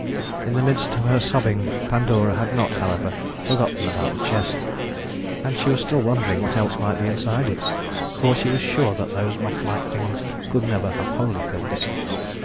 In the midst of her sobbing Pandora had not, however, forgotten about the chest, and she was still wondering what else might be inside it, for she was sure that those mothlike things could never have wholly filled it.